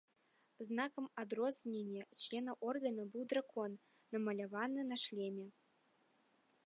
Знакам адрознення членаў ордэна быў дракон, намаляваны на шлеме.